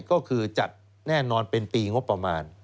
ก็คือจัดแน่นอนเป็นปีงบประมาณ